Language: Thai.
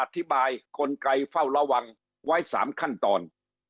กลไกเฝ้าระวังไว้๓ขั้นตอน